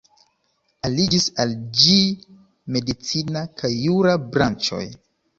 Aliĝis al ĝi medicina kaj jura branĉoj.